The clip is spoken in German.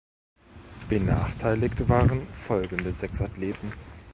Benachteiligt waren folgende sechs Athleten.